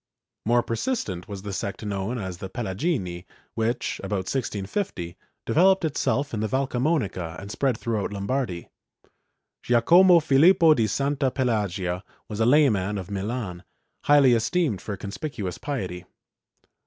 ^ More persistent was the sect known as the Pelagini which, about 1650, developed itself in the Valcamonica and spread throughout Lombardy. Giacomo Filippo di Santa Pelagia was a layman of Milan, highly esteemed for conspicuous piety.